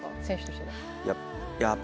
選手としては。